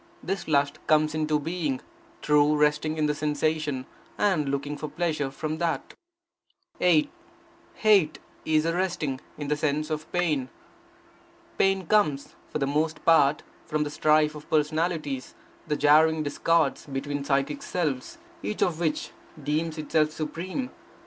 This lust comes into being, through resting in the sensation, and looking for pleasure from that. 8. Hate is the resting in the sense of pain. Pain comes, for the most part, from the strife of personalities, the jarring discords between psychic selves, each of which deems itself supreme.